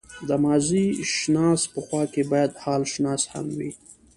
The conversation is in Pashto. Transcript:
د ماضيشناس په خوا کې بايد حالشناس هم وي.